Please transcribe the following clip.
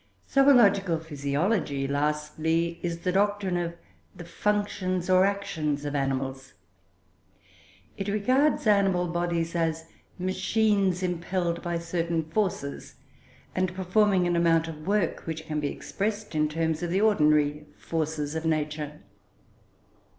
Zoological physiology, lastly, is the doctrine of the functions or actions of animals. It regards animal bodies as machines impelled by certain forces, and performing an amount of work which can be expressed in terms of the ordinary forces of nature.